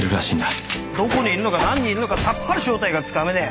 どこにいるのか何人いるのかさっぱり正体がつかめねえ。